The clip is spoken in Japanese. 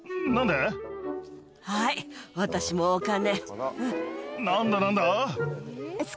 はい私もお金。